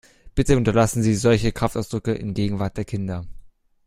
Bitte unterlassen sie solche Kraftausdrücke in Gegenwart der Kinder!